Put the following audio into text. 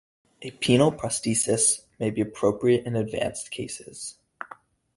A penile prosthesis may be appropriate in advanced cases.